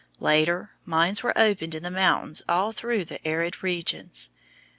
Later, mines were opened in the mountains all through the arid regions.